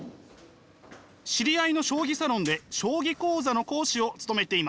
知り合いの将棋サロンで将棋講座の講師を務めています。